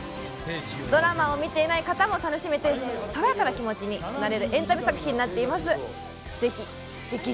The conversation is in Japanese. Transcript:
ドラマを見ていない方も楽しめて爽やかな気持ちになれるエンタメ作品になっています。